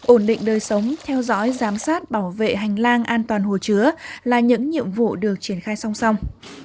ổn định đời sống theo dõi giám sát bảo vệ hành lang an toàn hồ chứa là những nhiệm vụ được triển khai song song